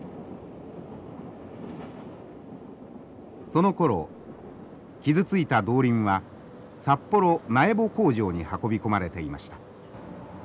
そのころ傷ついた動輪は札幌苗穂工場に運び込まれていました。